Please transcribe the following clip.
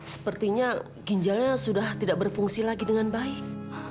sepertinya ginjalnya sudah tidak berfungsi lagi dengan baik